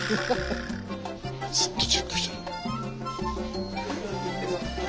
ずっとチェックしてる。